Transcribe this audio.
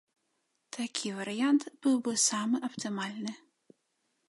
Такі варыянт быў бы самы аптымальны.